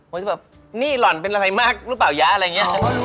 จะแบบนี่หล่อนเป็นอะไรมากหรือเปล่ายะอะไรอย่างนี้